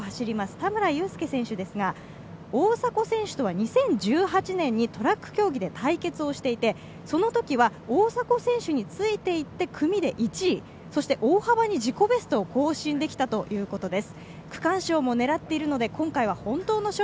田村友佑選手ですが大迫選手とは２０１８年にトラック競技で対決をしていてそのときは大迫選手についていって組で１位、そして大幅に自己ベストを更新できたということです。